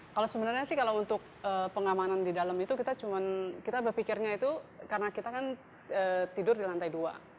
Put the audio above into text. kalau sebenarnya sih kalau untuk pengamanan di dalam itu kita cuma kita berpikirnya itu karena kita kan tidur di lantai dua